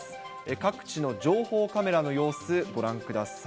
各地の情報カメラの様子、ご覧ください。